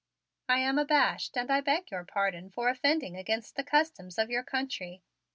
"I am abashed and I beg your pardon for offending against the customs of your country.